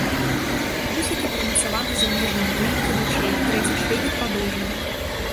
Вусікі прымацаваны за межамі выемкі вачэй, трэці членік падоўжаны.